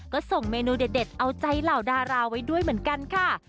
ก็ส่งเมนูเด็ดเอาใจเหล่าดาราไว้ด้วยเหมือนกันค่ะ